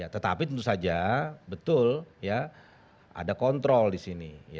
tetapi tentu saja betul ya ada kontrol di sini